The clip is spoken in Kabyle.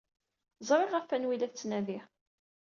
Ẓriɣ ɣef wanwa ay la tettnadi.